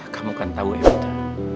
kamu kan tahu evita